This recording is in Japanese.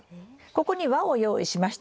ここに輪を用意しました。